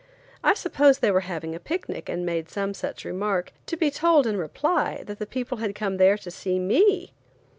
I supposed they were having a picnic and made some such remark, to be told in reply that the people had come there to see me.